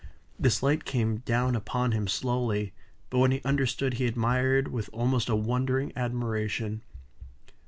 This light came down upon him slowly; but when he understood, he admired with almost a wondering admiration.